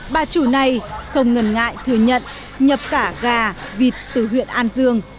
bà chủ này không ngần ngại thừa nhận nhập cả gà vịt từ huyện an dương